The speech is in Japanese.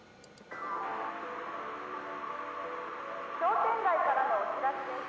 「商店街からのお知らせです」